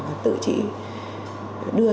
và tự chị đưa lên